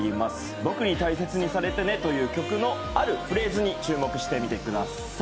「僕に大切にされてね」という曲のあるフレーズに注目してみてください。